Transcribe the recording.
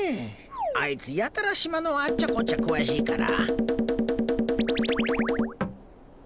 あいつやたら島のあっちゃこっちゃ詳しいから。